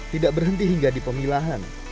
tidak berhenti hingga di pemilahan